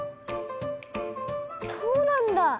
そうなんだ！